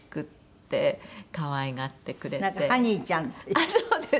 あっそうです！